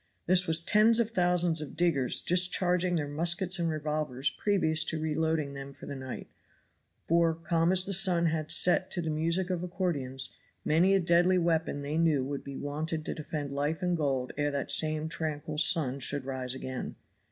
This was tens of thousands of diggers discharging their muskets and revolvers previous to reloading them for the night; for, calm as the sun had set to the music of accordions, many a deadly weapon they knew would be wanted to defend life and gold ere that same tranquil sun should rise again.